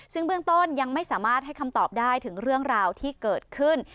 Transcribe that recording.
ซึ่งเบื้องต้นยังไม่สามารถให้คำตอบได้ถึงเรื่องราวที่เกิดขึ้น